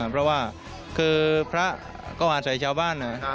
เพราะว่าคือพระเข้าหาใส่ชาวบ้าน